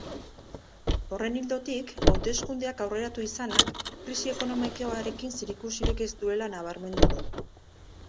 Horren ildotik, hauteskundeak aurreratu izanak krisi ekonomikoarekin zerikusirik ez duela nabarmendu du.